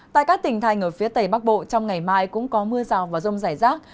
tại các tỉnh thành phía tầy bắc bộ trong ngày mai cũng có mưa rào và rông rải rác